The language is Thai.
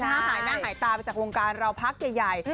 หายหน้าหายตาไปจากวงการเราพักใหญ่